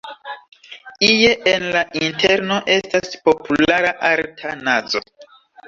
Ie en la interno estas populara arta nazo.